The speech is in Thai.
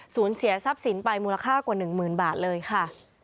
เสียทรัพย์สินไปมูลค่ากว่า๑๐๐๐บาทเลยค่ะ